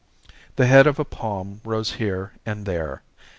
The head of a palm rose here and there.